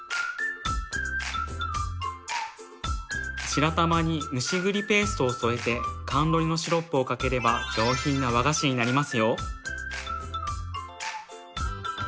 白玉に蒸し栗ペーストを添えて甘露煮のシロップをかければ上品な和菓子になりますよ。